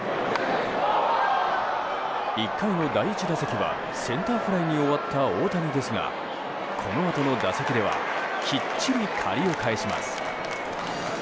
１回の第１打席はセンターフライに終わった大谷ですがこのあとの打席ではきっちり借りを返します。